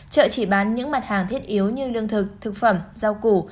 chợ chỉ bán những mặt hàng thiết yếu như lương thực thực phẩm rau củ